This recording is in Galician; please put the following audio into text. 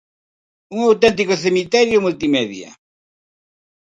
Un auténtico cemiterio multimedia.